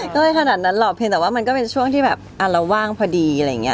ก็เลยขนาดนั้นหรอกเพียงแต่ว่ามันก็เป็นช่วงที่แบบเราว่างพอดีอะไรอย่างนี้